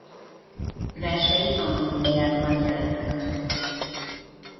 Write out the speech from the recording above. Versei antológiákban jelentek meg.